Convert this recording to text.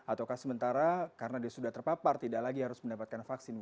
ataukah sementara karena dia sudah terpapar tidak lagi harus mendapatkan vaksin